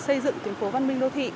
xây dựng tuyến phố văn minh đô thị